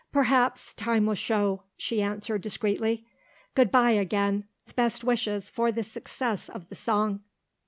"Perhaps, time will show," she answered discreetly. "Good bye again with best wishes for the success of the song."